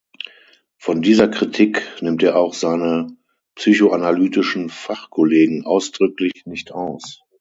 Von dieser Kritik nimmt er auch seine psychoanalytischen Fachkollegen ausdrücklich nicht aus.